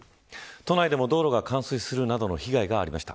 都内でも道路が冠水するなどの被害がありました。